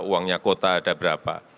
uangnya kota ada berapa